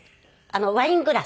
ワイングラス。